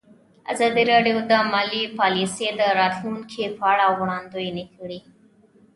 ازادي راډیو د مالي پالیسي د راتلونکې په اړه وړاندوینې کړې.